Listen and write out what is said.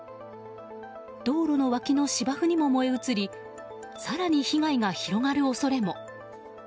道路の脇の芝生にも燃え移り更に被害が広がる恐れも。